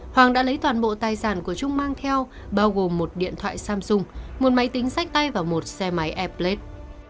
hoàng đã lấy toàn bộ tài sản của trung mang theo bao gồm một điện thoại samsung một máy tính sách tay và một xe máy airblade